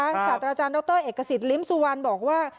ศาสตราจารย์ดรเอกสิทธิลิ้มสุวรรณบอกว่า